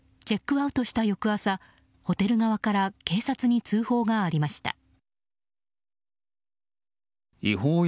チェックアウトした翌朝ホテル側から警察に通報がありました。